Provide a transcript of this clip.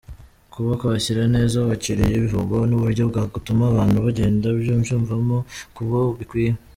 Kuba kwakira neza abakiriya bivugwa, ni uburyo bwo gutuma abantu bagenda biyumvamo ko bikwiye.